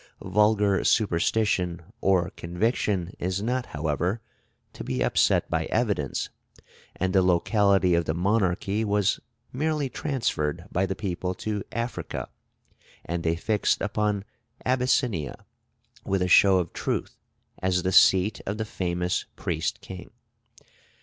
Vulgar superstition or conviction is not, however, to be upset by evidence, and the locality of the monarchy was merely transferred by the people to Africa, and they fixed upon Abyssinia, with a show of truth, as the seat of the famous Priest King.